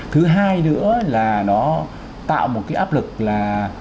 thứ hai nữa là nó tạo một cái áp lực là